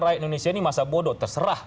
rakyat indonesia ini masa bodoh terserah